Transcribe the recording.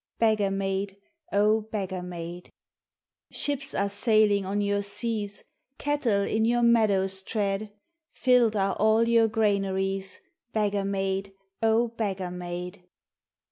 Beggar maid, O beggar maid ! Ships are sailing on your seas, Cattle in your meadows tread, Filled are all your granaries Beggar maid, O beggar maid